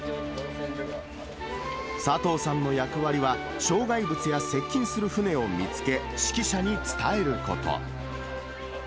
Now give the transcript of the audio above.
佐藤さんの役割は、障害物や接近する船を見つけ、指揮者に伝えること。